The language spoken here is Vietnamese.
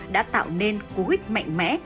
đã tạo nên cú hích mạnh mẽ